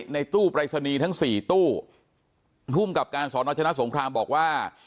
ในตู้ปรายศนีย์ทั้งสี่ตู้ภูมิกับการสอนอชนะสงครามบอกว่า